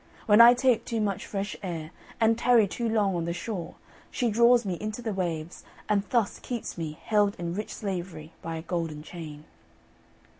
When I take too much fresh air, and tarry too long on the shore, she draws me into the waves, and thus keeps me held in rich slavery by a golden chain."